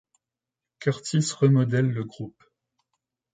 Curtis remodèle le groupe.